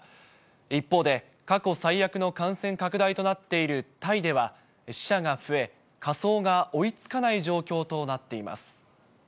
一方で、過去最悪の感染拡大となっているタイでは死者が増え、火葬が追いつかない状況となっています。